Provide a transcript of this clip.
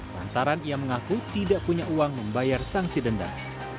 lantaran ia mengaku tidak punya uang membayar sanksi denda